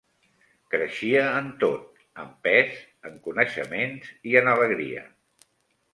Creixia en tot: en pes, en coneixements i en alegria.